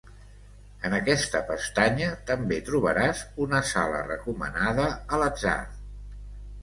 En aquesta pestanya també trobaràs una sala recomanada a l'atzar.